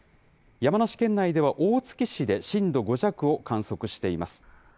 山梨県では大月市で震度５弱を観測しています。